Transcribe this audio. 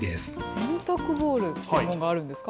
洗濯ボールというものがあるんですか？